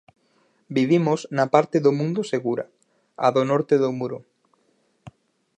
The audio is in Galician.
Vivimos na parte do mundo segura, a do norte do muro.